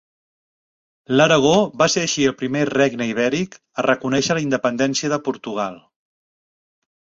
L'Aragó va ser així el primer regne ibèric a reconèixer la independència de Portugal.